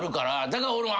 だから俺も。